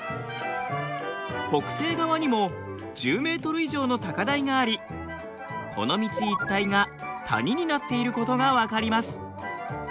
北西側にも１０ｍ以上の高台がありこの道一帯が谷になっていることが分かります。